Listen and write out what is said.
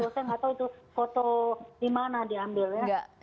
saya nggak tahu itu foto di mana diambil ya